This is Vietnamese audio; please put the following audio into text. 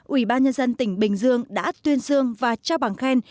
ủy ban nhân dân tỉnh bình dương đã tuyên dương và trao bằng khen